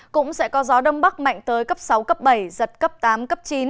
cũng sẽ có gió đông bắc mạnh tới cấp sáu cấp bảy giật cấp tám cấp chín